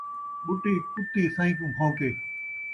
ٻٹی کتی سئیں کوں بھون٘کے